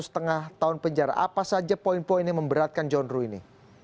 satu setengah tahun penjara apa saja poin poin yang memberatkan john ruh ini